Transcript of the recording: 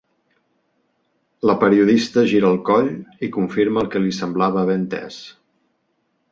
La periodista gira el coll i confirma el que li semblava haver entès.